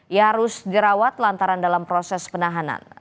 ia harus dirawat lantaran dalam proses penahanan